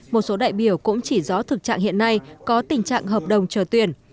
một số đại biểu cũng chỉ rõ thực trạng hiện nay có tình trạng hợp đồng chờ tuyển